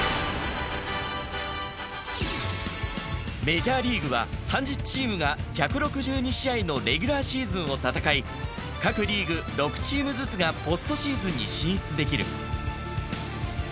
メジャーリーグは３０チームが１６２試合のレギュラーシーズンを戦い各リーグ６チームずつがポストシーズンに進出できる。